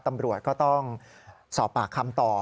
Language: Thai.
ตำรวจก็ต้องสอบปากคำต่อ